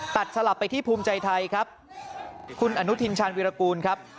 สลับไปที่ภูมิใจไทยครับคุณอนุทินชาญวิรากูลครับ